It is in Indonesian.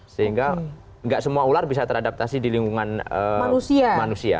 sehingga tidak semua ular bisa teradaptasi di lingkungan manusia